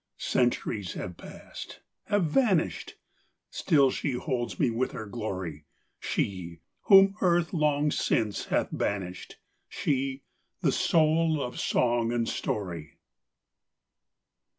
Centuries have passed, have vanished; Still she holds me with her glory, She, whom Earth long since hath banished? She, the Soul of Song and Story.